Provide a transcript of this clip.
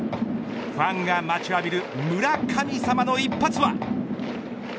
ファンが待ちわびる村神様の一発は。